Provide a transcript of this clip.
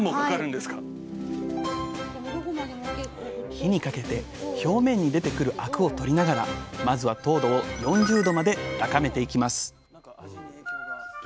火にかけて表面に出てくるアクを取りながらまずは糖度を４０度まで高めていきます。